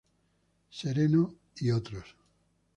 Sereno "et al".